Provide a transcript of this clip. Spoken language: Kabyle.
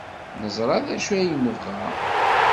Neẓra d acu ay nebɣa.